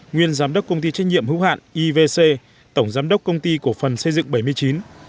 nguyên giám đốc công ty trách nhiệm hữu hạn ivc tổng giám đốc công ty cổ phần xây dựng bảy mươi chín